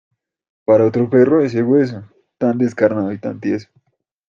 Para otro perro ese hueso, tan descarnado y tan tieso.